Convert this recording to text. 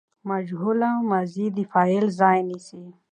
مجهوله ماضي د فاعل ځای نیسي.